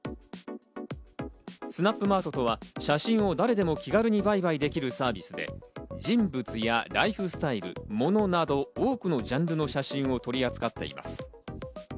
スナップマートとは、写真を誰でも気軽に売買できるサービスで、人物やライフスタイル、モノなど多くのジャンルの写真を取り扱っています。